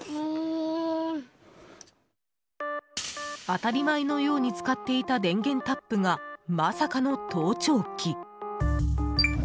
当たり前のように使っていた電源タップがまさかの盗聴器。